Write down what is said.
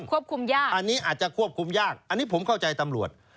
ควบคุมยากอันนี้อาจจะควบคุมยากอันนี้ผมเข้าใจตำรวจ